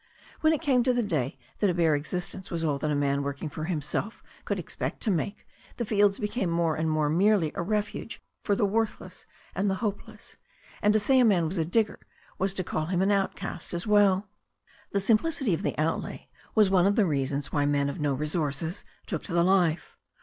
When it came to the day that a bare existence was all that a man working for himself could expect to make, the fields became more and more merely a refuge for the worthless and the hopeless, and to say a man was a digger was to call him an outcast as well. The simplicity of the outlay was one of the reasons why men of no resources took to the life.